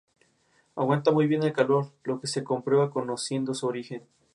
Aguanta muy bien el calor, lo que se comprueba conociendo su origen.